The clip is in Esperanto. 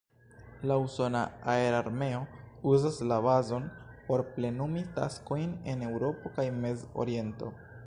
La usona aerarmeo uzas la bazon por plenumi taskojn en Eŭropo kaj Mez-Oriento.